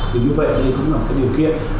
thì như vậy đây cũng là một cái điều kiện